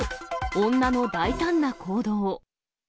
女の大胆な行動。